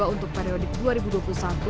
untuk periodik dua ribu dua puluh satu